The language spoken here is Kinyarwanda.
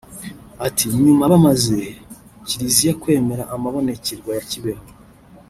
Ati “ Nyuma bamaze [Kiliziya] kwemera amabonekerwa ya Kibeho